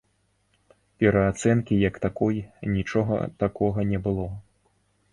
Пераацэнкі як такой, нічога такога не было.